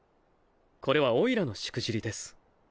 これはオイラのしくじりです。